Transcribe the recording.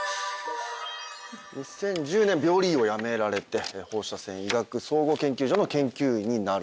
２０１０年病理医を辞められて放射線医学総合研究所の研究員になる。